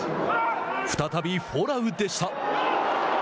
再び、フォラウでした。